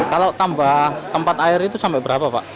kalau tambah tempat air itu sampai berapa pak